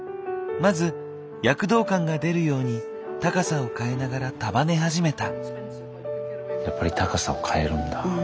まず躍動感が出るように高さを変えながら束ね始めた。